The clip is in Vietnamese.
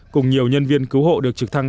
cùng nhiều nhân viên cứu hộ được trực thăng